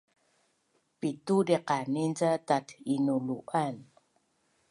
Pitu diqanin ca tat’inulu’an